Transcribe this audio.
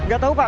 gak tahu pak